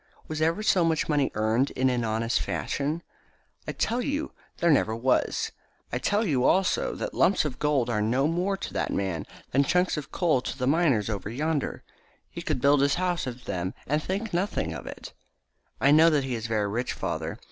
Was ever so much money earned in an honest fashion? I tell you there never was. I tell you, also, that lumps of gold are no more to that man than chunks of coal to the miners over yonder. He could build his house of them and think nothing of it." "I know that he is very rich, father.